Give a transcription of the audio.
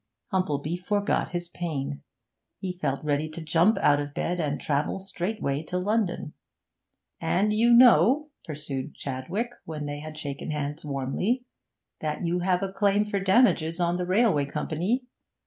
Humplebee forgot his pain; he felt ready to jump out of bed and travel straightway to London. 'And you know,' pursued Chadwick, when they had shaken hands warmly, 'that you have a claim for damages on the railway company.